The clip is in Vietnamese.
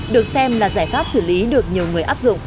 được xem là giải pháp xử lý được nhiều người áp dụng